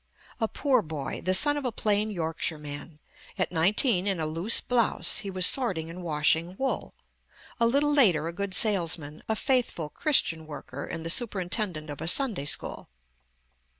A poor boy, the son of a plain Yorkshire man, at nineteen in a loose blouse he was sorting and washing wool; a little later, a good salesman, a faithful Christian worker and the superintendent of a Sunday school.